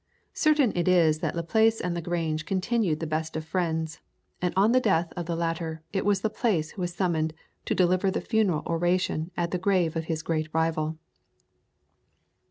Certain it is that Laplace and Lagrange continued the best of friends, and on the death of the latter it was Laplace who was summoned to deliver the funeral oration at the grave of his great rival.